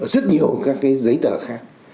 rất nhiều các giấy tờ khác